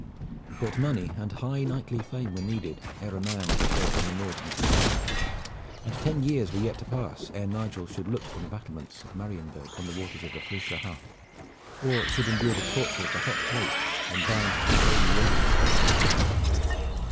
But money and high knightly fame were needed ere a man could go upon the northern crusade, and ten years were yet to pass ere Nigel should look from the battlements of Marienberg on the waters of the Frische Haff, or should endure the torture of the hot plate when bound to the Holy Woden stone of Memel.